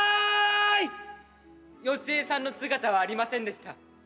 ヨシエさんの姿はありませんでした。